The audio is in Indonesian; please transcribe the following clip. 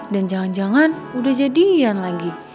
dan jangan jangan udah jadian lagi